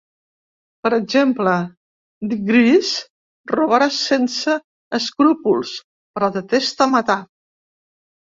Per exemple, diGriz robarà sense escrúpols, però detesta matar.